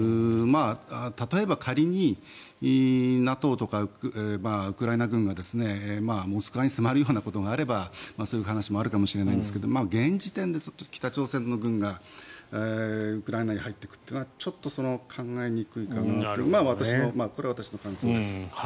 例えば仮にＮＡＴＯとかウクライナ軍がモスクワに迫るようなことがあればそういう話もあるかもしれないんですが現時点で北朝鮮の軍がウクライナに入っていくというのはちょっと考えにくいかなというのがこれは私の感想です。